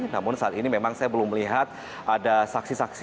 namun saat ini memang saya belum melihat ada saksi saksi